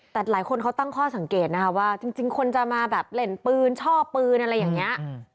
แต่หลายคนเขาตั้งข้อสังเกตนะคะว่าจริงคนจะมาแบบเล่นปืนช่อปืนอะไรอย่างนี้